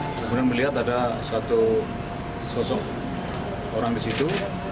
kemudian melihat ada satu sosok orang di situ